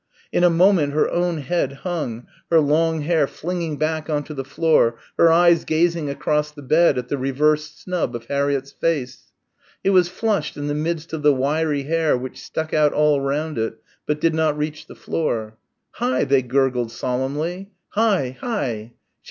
In a moment her own head hung, her long hair flinging back on to the floor, her eyes gazing across under the bed at the reversed snub of Harriett's face. It was flushed in the midst of the wiry hair which stuck out all round it but did not reach the floor. "Hi!" they gurgled solemnly, "Hi.... Hi!"